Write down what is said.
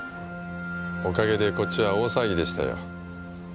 おかげでこっちは大騒ぎでしたよ。